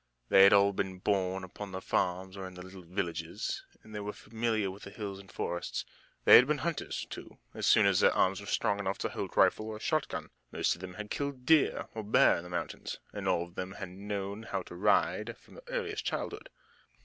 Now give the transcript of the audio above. They had all been born upon the farms or in the little villages, and they were familiar with the hills and forests. They had been hunters, too, as soon as their arms were strong enough to hold rifle or shot gun. Most of them had killed deer or bear in the mountains, and all of them had known how to ride from earliest childhood.